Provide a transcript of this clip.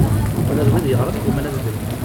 Ula d wid yeɣran gguman ad beddlen.